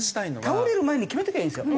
倒れる前に決めときゃいいんですよ。